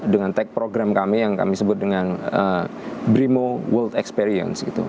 dengan tag program kami yang kami sebut dengan brimo world experience gitu